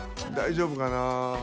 大丈夫かな？